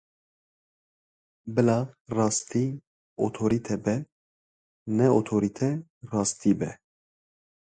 Bîla rastî otorîte be, ne otorîte rastî be.